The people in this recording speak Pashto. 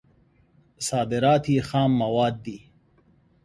صادرات یې خام مواد دي.